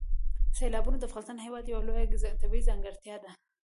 سیلابونه د افغانستان هېواد یوه لویه طبیعي ځانګړتیا ده.